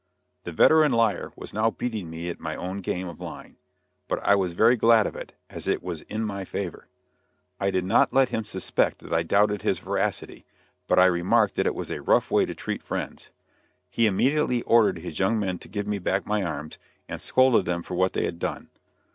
The veteran liar was now beating me at my own game of lying; but I was very glad of it, as it was in my favor. I did not let him suspect that I doubted his veracity, but I remarked that it was a rough way to treat friends. He immediately ordered his young men to give me back my arms, and scolded them for what they had done.